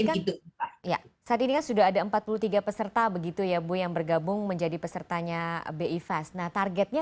ntar ya tadi ada sudah ada empat puluh tiga peserta begitu ya bu yang bergabung menjadi pesertanya bifas nah targetnya